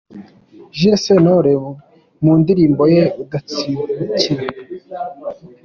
Jules Sentore mu ndirimbo ye “Udatsikira”.